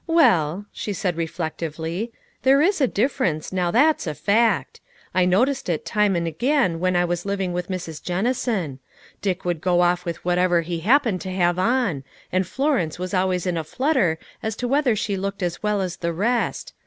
"Well," she said reflectively, " there is a difference, now that's a fact. I noticed it time and again when I was living with Mrs. Jennison. Dick would go off with whatever he happened to have on; and Florence was always in a flutter as to whether she looked as well as the rest.